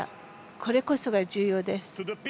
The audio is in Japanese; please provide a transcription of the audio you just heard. これこそが重要です。